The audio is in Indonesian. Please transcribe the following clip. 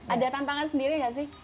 ada tantangan sendiri nggak sih